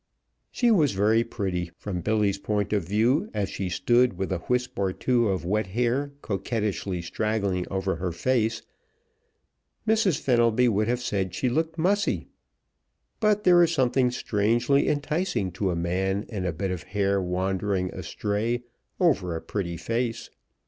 She was very pretty, from Billy's point of view, as she stood with a wisp or two of wet hair coquettishly straggling over her face. Mrs. Fenelby would have said she looked mussy, but there is something strangely enticing to a man in a bit of hair wandering astray over a pretty face.